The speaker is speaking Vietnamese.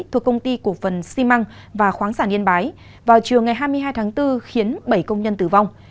thuộc công ty cổ phần xi măng và khoáng sản yên bái vào chiều ngày hai mươi hai tháng bốn khiến bảy công nhân tử vong